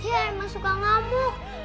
tiara emang suka ngamuk